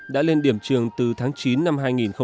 đã lên điểm trường từ tháng chín năm hai nghìn một mươi chín